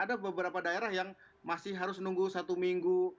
ada beberapa daerah yang masih harus menunggu satu minggu